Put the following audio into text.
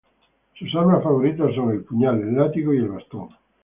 Sus armas favoritas son el puñal, el látigo y el bastón.